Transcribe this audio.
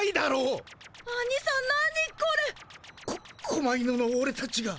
こ狛犬のオレたちが。